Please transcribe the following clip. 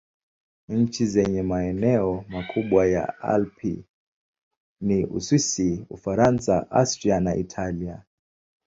Nchi zenye maeneo makubwa ya Alpi ni Uswisi, Ufaransa, Austria na Italia.